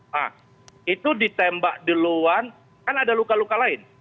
nah itu ditembak duluan kan ada luka luka lain